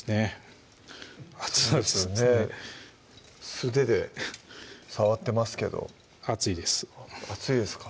素手で触ってますけど熱いです熱いですか？